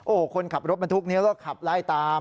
โอ้โฮคนขับรถมันทุกนี้แล้วก็ขับไล่ตาม